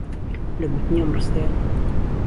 له گوتنی ئهم رستهیه